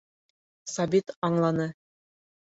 Сабит аңланы.